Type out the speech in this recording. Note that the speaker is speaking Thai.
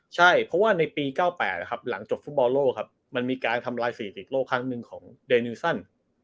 ใช่เพราะว่าในปี๙๘นะครับหลังจบฟุตบอลโลกครับมันมีการทำลายสถิติโลกครั้งหนึ่งของเดนิวสั้น